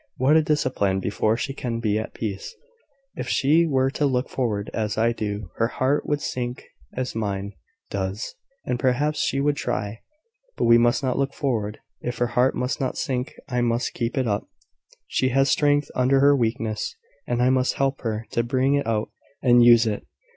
What a discipline before she can be at peace! If she were to look forward as I do, her heart would sink as mine does, and perhaps she would try... But we must not look forward: her heart must not sink. I must keep it up. She has strength under her weakness, and I must help her to bring it out and use it.